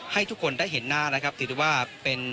ให้ทุกคนได้เห็นหน้านะครับถือได้ว่าเป็น